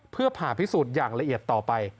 เพื่อผ่าพิสูจน์อย่างละเอียดต่อไป